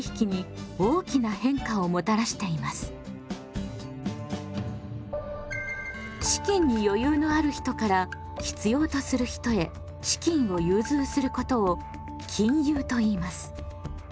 現在では資金に余裕のある人から必要とする人へ資金を融通することを金融といいます。